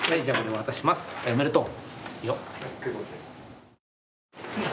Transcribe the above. おめでとう。